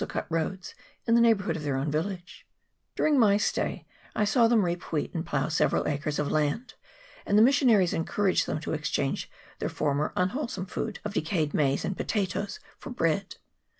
cut roads in the neighbourhood of their own village. During my 218 NATIVE VILLAGE, [PART II. stay I saw them reap wheat and plough several acres of land, and the missionaries encourage them to exchange their former unwholesome food of de cayed maize and potatoes for bread.